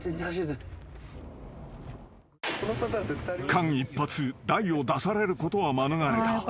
［間一髪大を出されることは免れた］